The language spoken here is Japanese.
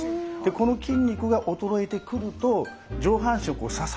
この筋肉が衰えてくると上半身を支えられないんですね。